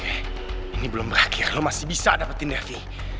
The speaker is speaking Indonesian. devi ini belum berakhir lo masih bisa dapetin devi